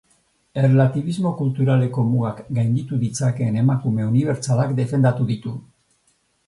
Erlatibismo kulturaleko mugak gainditu ditzakeen emakume unibertsalak defendatu ditu.